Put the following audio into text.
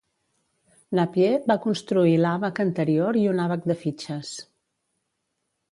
Napier va construir l'àbac anterior i un àbac de fitxes.